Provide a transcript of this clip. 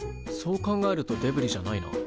そう考えるとデブリじゃないな。